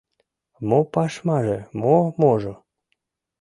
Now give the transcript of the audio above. Мо пашмаже, мо можо?